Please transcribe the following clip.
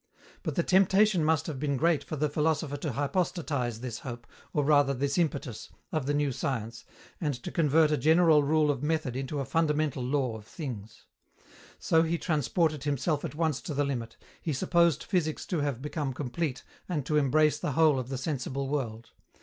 But the temptation must have been great for the philosopher to hypostatize this hope, or rather this impetus, of the new science, and to convert a general rule of method into a fundamental law of things. So he transported himself at once to the limit; he supposed physics to have become complete and to embrace the whole of the sensible world.